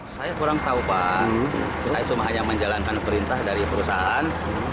saya kurang tahu pak saya cuma hanya menjalankan perintah dari perusahaan